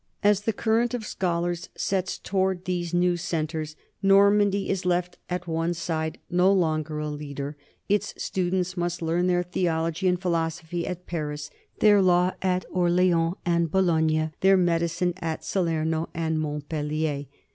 As the current of scholars sets toward these new centres, Normandy is left at one side; no longer a leader, its students must learn their theology and philosophy at Paris, their law at Orleans and Bologna, their medicine at Salerno and Montpellier.